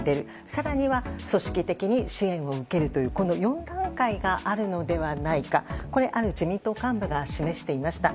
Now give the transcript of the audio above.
更には組織的に支援を受けるというこの４段階があるのではないかとある自民党幹部が示していました。